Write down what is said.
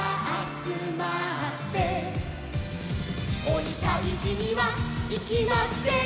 「おにたいじにはいきません」